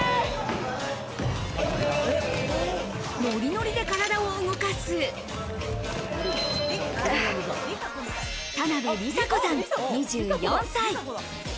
ノリノリで体を動かす、田辺莉咲子さん、２４歳。